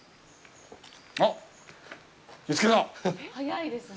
あっ、見つけた！